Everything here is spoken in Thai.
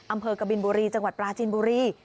กบินบุรีจังหวัดปราจินบุรี